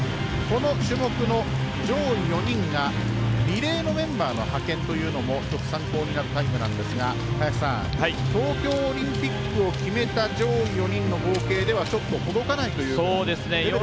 この種目の上位４人がリレーのメンバーの派遣というのも一つ参考になるタイムなんですが林さん、東京オリンピックを決めた上位４人の合計では届かないという。